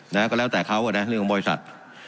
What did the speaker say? แล้วก็แล้วแต่เขาก็เนี่ยเรื่องบริษัท